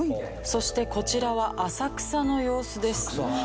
そしてこちらは浅草の様子です。